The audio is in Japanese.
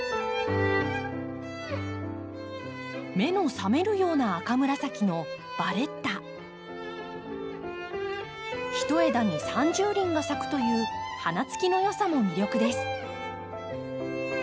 目の覚めるような赤紫のひと枝に３０輪が咲くという花つきの良さも魅力です。